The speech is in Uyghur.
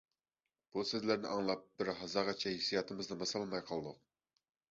بۇ سۆزلەرنى ئاڭلاپ، بىر ھازاغىچە ھېسسىياتىمىزنى باسالماي قالدۇق.